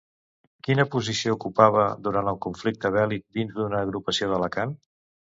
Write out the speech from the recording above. Quina posició ocupava, durant el conflicte bèl·lic, dins d'una agrupació d'Alacant?